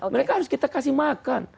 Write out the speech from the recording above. mereka harus kita kasih makan